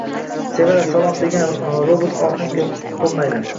«Se-va-ra, sa-lom» degan robotlashgan ohang boʻlmaydi.